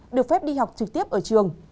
được phép đi học trực tiếp ở trường